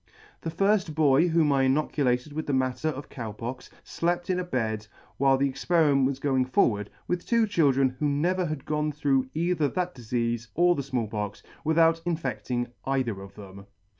The firft boy whom I inocu lated with the matter of Cow Pox, flept in a bed, while the experiment was going forward, with two children who never had gone through either that difeafe or the Small Pox, without infedling either of them.